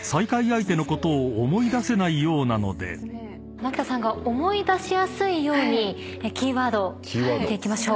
蒔田さんが思い出しやすいようにキーワードを見ていきましょう。